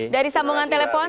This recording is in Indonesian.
dari sambungan telepon